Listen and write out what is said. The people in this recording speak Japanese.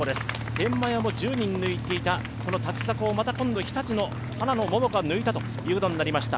天満屋も１０人抜いていましたが、日立の花野桃子が抜いたということになりました。